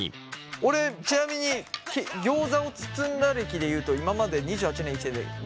俺ちなみにギョーザを包んだ歴でいうと今まで２８年生きてて２回ぐらい。